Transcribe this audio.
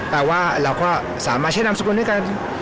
แปลว่าเราก็สามารถใช้นามสกุลด้วยกัน